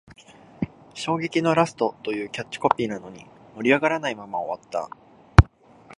衝撃のラストというキャッチコピーなのに、盛り上がらないまま終わった